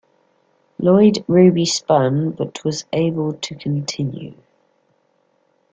Lloyd Ruby spun, but was able to continue.